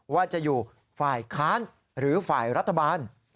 ว่าจะอยู่ฝ่ายค้านหรือฝ่ายรัฐบาล